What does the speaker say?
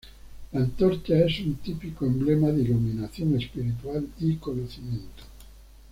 La antorcha es un típico emblema de iluminación espiritual y conocimiento.